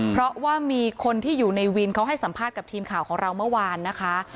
เพราะว่ามีคนที่อยู่ในวินเขาให้สัมภาษณ์กับทีมข่าวของเราเมื่อวานนะคะ